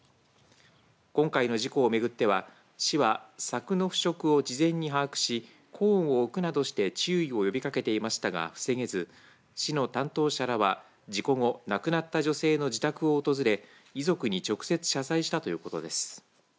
今回の事故を巡っては市は柵の腐食を事前に把握しコーンを置くなどして注意を呼びかけていましたが防げず市の担当者らは事故後亡くなった女性の自宅を訪れ遺族に直接謝罪したということです。